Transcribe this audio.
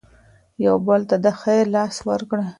یو بل ته د خیر لاس ورکړئ.